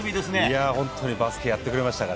いや、本当にバスケやってくれましたね。